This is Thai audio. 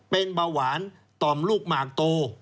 เป็นเบาหวานต่อมลูกหมากโต